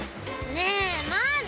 ねぇまだ？